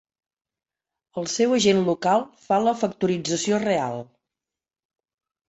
El seu agent local fa la factorització real.